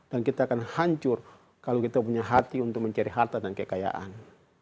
dan kita akan hancur kalau kita punya hati untuk mencari harta dan kekayaan